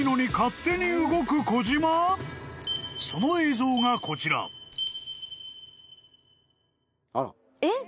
［その映像がこちら］えっ？